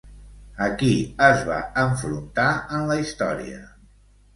A qui es va enfrontar en la història?